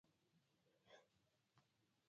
د اساسي قانون تصویب وروستی ګام نه و.